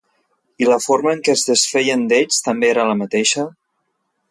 I la forma en què es desfeien d'ells també era la mateixa?